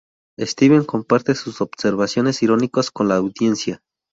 Steven comparte sus observaciones irónicas con la audiencia.